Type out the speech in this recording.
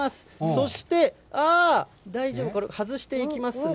そして、あっ、大丈夫、外していきますね。